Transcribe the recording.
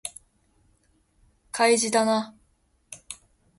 開示だな